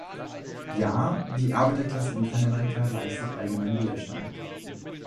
Ja, die Arbeiterklasse in Lateinamerika leistet allgemein Widerstand.